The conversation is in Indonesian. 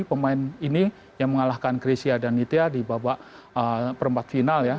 pemain ini yang mengalahkan grecia dan nitya di babak perempat final ya